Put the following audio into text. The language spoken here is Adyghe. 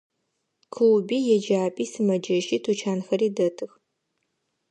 Клуби, еджапӏи, сымэджэщи, тучанхэри дэтых.